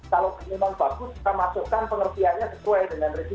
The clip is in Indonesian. kalau memang bagus kita masukkan pengertiannya sesuai dengan regulasi